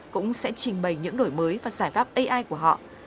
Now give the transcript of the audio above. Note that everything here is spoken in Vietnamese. cũng sẽ trình bày những đổi mới và giải pháp ai của họ